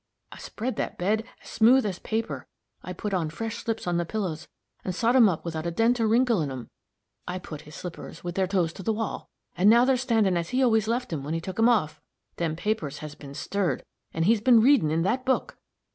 I spread that bed as smooth as paper; I put on fresh slips on the pillows, and sot 'em up without a dent or wrinkle in 'em; I put his slippers with their toes to the wall, and now they're standin' as he always left 'em when he took 'em off. Them papers has been stirred, and he's been readin' in that book.